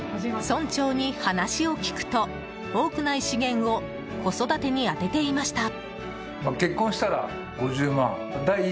村長に話を聞くと多くない資源を子育てに充てていました。